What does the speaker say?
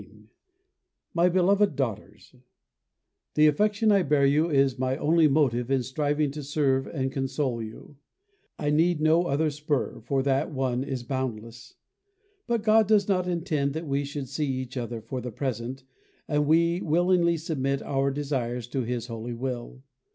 _ MY BELOVED DAUGHTERS, The affection I bear you is my only motive in striving to serve and console you: I need no other spur, for that one is boundless. But God does not intend that we should see each other for the present, and we willingly submit our desires to His holy will.